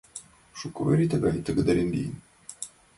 Шуко вере тыгай тыгыдер лиеден.